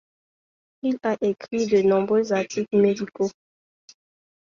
Il a écrit de nombreux articles médicaux.